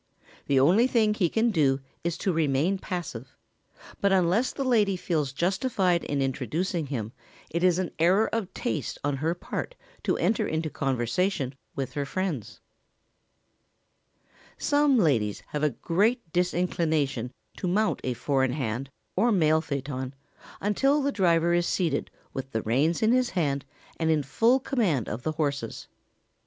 The only thing he can do is to remain passive, but unless the lady feels justified in introducing him it is an error of taste on her part to enter into conversation with her friends. [Sidenote: In which case the rule may be broken.] Some ladies have a great disinclination to mount a four in hand or mail phaeton until the driver is seated with the reins in his hand and in full command of the horses.